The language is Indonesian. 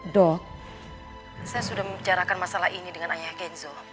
dok saya sudah membicarakan masalah ini dengan ayah kenzo